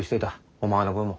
お前の分も。